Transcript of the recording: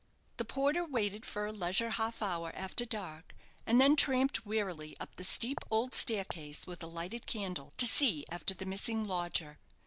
The porter waited for a leisure half hour after dark, and then tramped wearily up the steep old staircase with a lighted candle to see after the missing lodger.